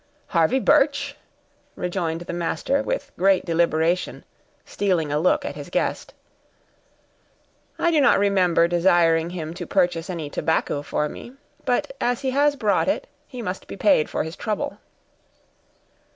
"Harvey Birch!" rejoined the master with great deliberation, stealing a look at his guest. "I do not remember desiring him to purchase any tobacco for me; but as he has brought it, he must be paid for his trouble."